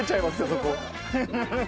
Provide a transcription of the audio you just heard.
そこ。